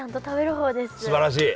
すばらしい。